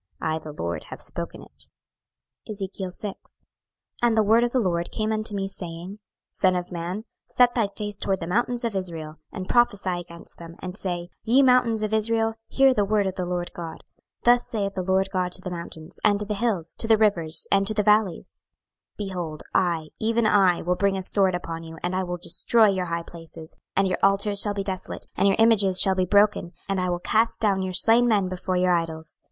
I the LORD have spoken it. 26:006:001 And the word of the LORD came unto me, saying, 26:006:002 Son of man, set thy face toward the mountains of Israel, and prophesy against them, 26:006:003 And say, Ye mountains of Israel, hear the word of the Lord GOD; Thus saith the Lord GOD to the mountains, and to the hills, to the rivers, and to the valleys; Behold, I, even I, will bring a sword upon you, and I will destroy your high places. 26:006:004 And your altars shall be desolate, and your images shall be broken: and I will cast down your slain men before your idols.